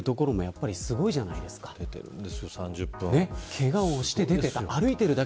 けがをして出ていた。